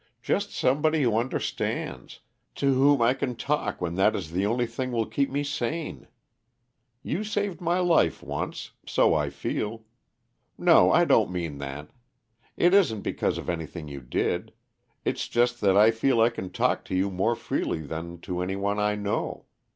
Just somebody who understands, to whom I can talk when that is the only thing will keep me sane. You saved my life once, so I feel no, I don't mean that. It isn't because of anything you did; it's just that I feel I can talk to you more freely than to any one I know.